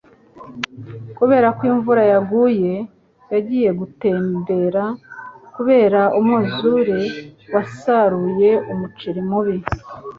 Kubera ko imvura yaguye, yagiye gutembera. Kubera umwuzure, wasaruye umuceri mubi.